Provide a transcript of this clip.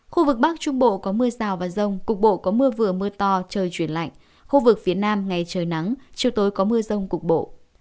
khu vực bắc trung bộ có mưa rào và rông cục bộ có mưa vừa mưa to trời chuyển lạnh khu vực phía nam ngày trời nắng chiều tối có mưa rông cục bộ